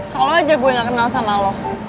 kalau aja gue gak kenal sama lo